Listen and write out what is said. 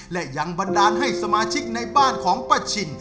และยังบันดาลให้สมาชิกในบ้านของป้าชิน